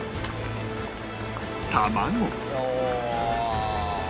卵